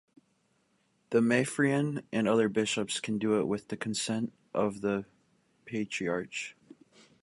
The Maphrian and other bishops can do it with the consent of the Patriarch.